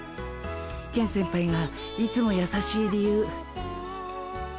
ケン先輩がいつもやさしい理由。